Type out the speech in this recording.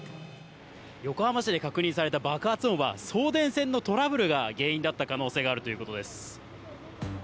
横浜市で確認された爆発音は送電線のトラブルが原因だった可能性があるということです。